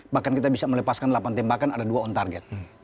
bahkan kita bisa melepaskan delapan tembakan ada dua on target